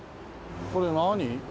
これ何？